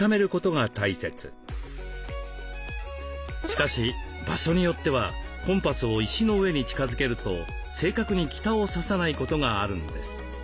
しかし場所によってはコンパスを石の上に近づけると正確に北を指さないことがあるんです。